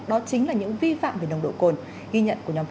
lỗi của anh vi phạm bao nhiêu điều khoản cho tôi định cũng rất rõ